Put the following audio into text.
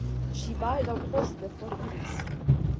Ŝi baldaŭ poste foriris.